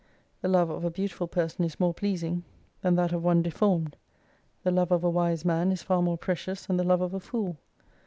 The love of a beautiful person is more pleasing than that of one 140 deformed. The love of a wise man is far more precious than the love of a fool.